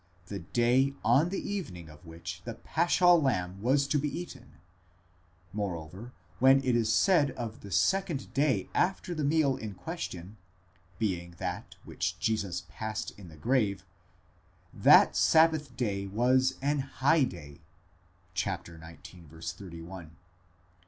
the day on the evening of which the paschal lamb was to be eaten ; moreover, when it is said of the second day after the meal in question, being that which Jesus passed in the grave: that sabbath day was an high day, ἦν γὰρ μεγάλη ἡ ἡμέρα ἐκείνου τοῦ σαββάτου (xix.